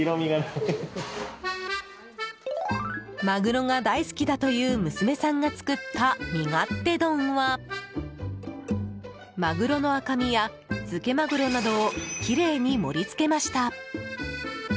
マグロが大好きだという娘さんが作った味勝手丼はマグロの赤身や漬けマグロなどをきれいに盛り付けました。